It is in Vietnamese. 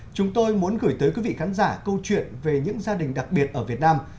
chúng tôi muốn gửi tới quý vị khán giả câu chuyện về những gia đình đặc biệt ở việt nam